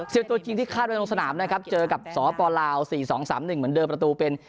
สิบตัวจริงที่คาดไว้ตรงสนามนะครับเจอกับสปลาวสี่สองสามหนึ่งเหมือนเดิมประตูเป็น